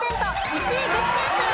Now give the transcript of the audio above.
１位具志堅さん